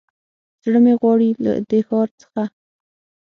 زړه مې غواړي له دې ښار څخه